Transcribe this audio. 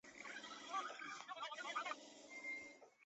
现代战争中的战役往往由多次不同的部队之间的战斗组成。